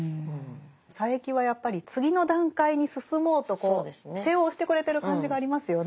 佐柄木はやっぱり次の段階に進もうと背を押してくれてる感じがありますよね。